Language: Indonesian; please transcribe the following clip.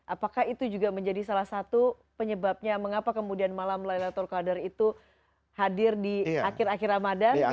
apakah itu juga menjadi salah satu penyebabnya mengapa kemudian malam laylatul qadar itu hadir di akhir akhir ramadan